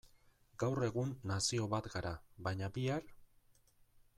Gaur egun nazio bat gara, baina bihar?